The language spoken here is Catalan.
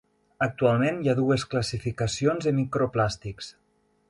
Actualment hi ha dues classificacions de microplàstics.